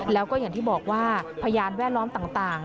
แล้วก็อย่างที่บอกว่าพยานแวดล้อมต่าง